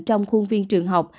trong khuôn viên trường học